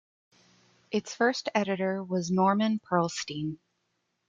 Its first editor was Norman Pearlstine.